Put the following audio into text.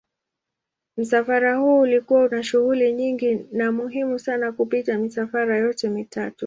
Msafara huu ulikuwa una shughuli nyingi na muhimu sana kupita misafara yote mitatu.